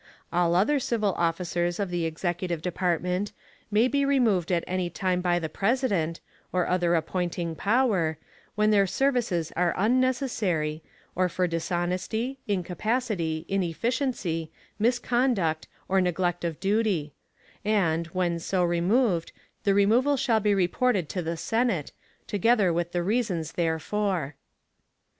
All other civil officers of the executive department may be removed at any time by the President, or other appointing power, when their services are unnecessary, or for dishonesty, incapacity, inefficiency, misconduct, or neglect of duty; and, when so removed the removal shall be reported to the Senate, together with the reasons therefor.